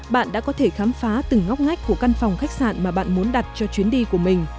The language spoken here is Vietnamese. bạn đã có thể khám phá từng ngóc ngách của căn phòng khách sạn mà bạn muốn đặt cho chuyến đi của mình